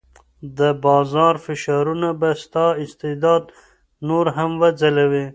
د بازار فشارونه به ستا استعداد نور هم وځلوي.